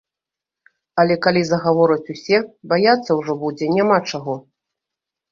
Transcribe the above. Але калі загавораць усе, баяцца ўжо будзе няма чаго.